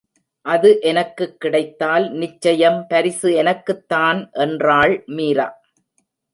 அது எனக்குக் கிடைத்தால் நிச்சயம் பரிசு எனக்குத்தான் என்றாள் மீரா.